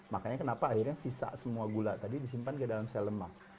makanya kenapa akhirnya sisa semua gula tadi disimpan ke dalam sel lemak